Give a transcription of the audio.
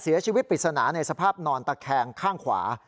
เสียชีวิตปริศนาในสภาพนอนตะแคงข้างขวา